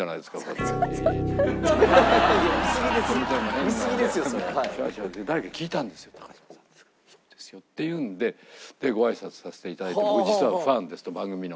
「そうですよ」って言うんでご挨拶させて頂いて実はファンですと番組の。